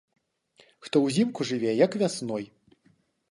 Хто ўзімку жыве, як вясной!